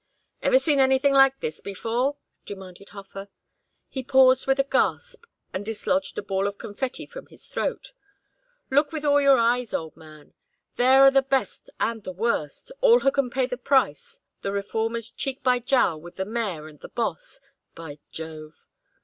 "Ever see anything like this before?" demanded Hofer. He paused with a gasp and dislodged a ball of confetti from his throat. "Look with all your eyes, old man. There are the best and the worst all who can pay the price: the reformers cheek by jowl with the mayor and the Boss, by Jove!